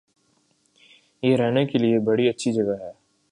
یہ رہنے کےلئے بڑی اچھی جگہ ہے